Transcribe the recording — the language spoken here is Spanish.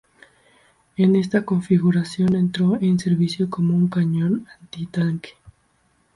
En esta configuración entró en servicio como un cañón antitanque.